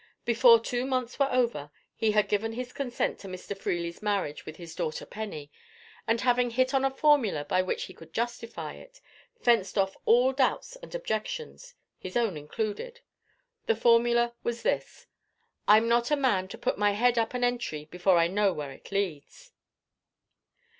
Before two months were over, he had given his consent to Mr. Freely's marriage with his daughter Penny, and having hit on a formula by which he could justify it, fenced off all doubts and objections, his own included. The formula was this: "I'm not a man to put my head up an entry before I know where it leads."